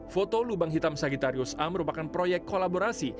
foto lubang hitam sagittarius a merupakan proyek kolaborasi